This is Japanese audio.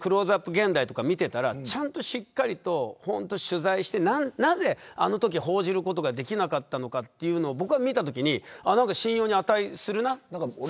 現代とか見ていたらちゃんとしっかりと取材してなぜ、あのとき報じることができなかったのかというのを僕が見たときに信用に値するなと。